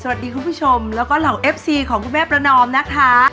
สวัสดีคุณผู้ชมและเหล่าเอฟซีของคุณแม่ประนอมนะคะ